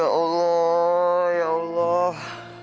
ya allah ya allah